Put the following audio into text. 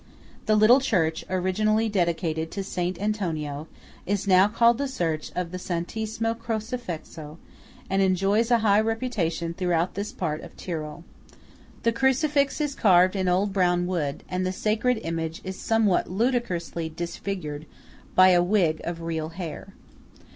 The little church, originally dedicated to Saint Antonio, is now called the church of the Santissimo Crocefisso, and enjoys a high reputation throughout this part of Tyrol. The crucifix is carved in old brown wood, and the sacred image is somewhat ludicrously disfigured by a wig of real hair.